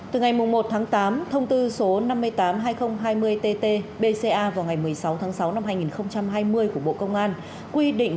từ ngày một tháng tám thông tư số năm mươi tám hai nghìn hai mươi tt bca vào ngày một mươi sáu tháng sáu năm hai nghìn hai mươi của bộ công an quy định